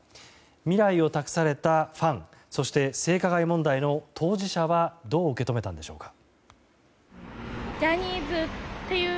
未来を託されたファンそして、性加害問題の当事者はどう受け止めたのでしょうか。